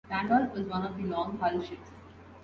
"Randolph" was one of the "long-hull" ships.